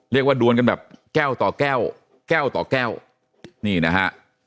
ดวนกันแบบแก้วต่อแก้วแก้วต่อแก้วนี่นะฮะ